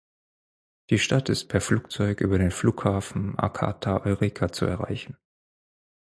Die Stadt ist per Flugzeug über den Flughafen Arcata-Eureka zu erreichen.